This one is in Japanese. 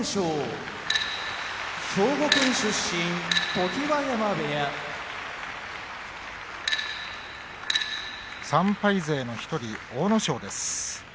常盤山部屋３敗勢の１人阿武咲です。